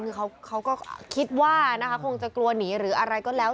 คือเขาก็คิดว่านะคะคงจะกลัวหนีหรืออะไรก็แล้ว